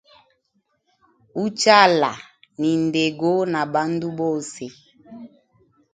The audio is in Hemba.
Uchala ni ndego na bandu bose.